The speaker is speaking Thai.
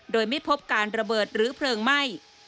โดยไม่พบการระเบิดหรือเพลิงไหม้